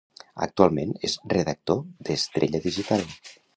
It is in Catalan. "Actualment, és redactor d'Estrella Digital"